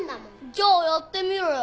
じゃやってみろよ